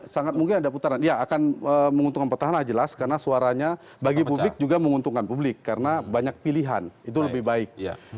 sangat mungkin ada putaran ya akan menguntungkan petahana jelas karena suaranya bagi publik juga menguntungkan publik karena banyak pilihan itu lebih baik